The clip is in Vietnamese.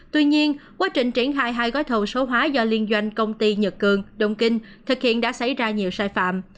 tuy nhiên quá trình triển khai hai gói thầu số hóa do liên doanh công ty nhật cường đồng kinh thực hiện đã xảy ra nhiều sai phạm